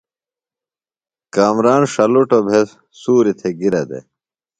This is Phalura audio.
کامران ݜلُٹوۡ بھےۡ سُوریۡ تھےۡ گِرہ دےۡ۔